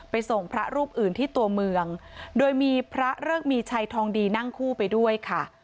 ส่งพระรูปอื่นที่ตัวเมืองโดยมีพระเริกมีชัยทองดีนั่งคู่ไปด้วยค่ะ